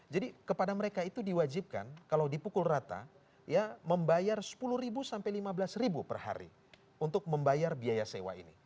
jadi kepada mereka itu diwajibkan kalau dipukul rata ya membayar sepuluh sampai lima belas per hari untuk membayar biaya sewa ini